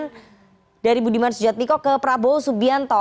dukungan dari budiman sujatmiko ke prabowo supianto